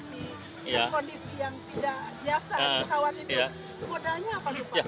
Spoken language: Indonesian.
pesawat itu modanya apa